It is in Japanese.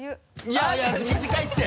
いやいや短いって！